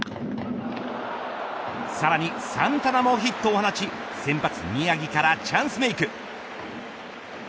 さらにサンタナもヒットを放ち先発宮城からチャンスメーク。